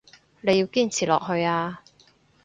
你要堅持落去啊